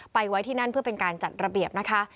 ไว้ที่นั่นเพื่อเป็นการจัดระเบียบนะคะ